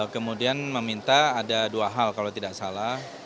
kemudian meminta ada dua hal kalau tidak salah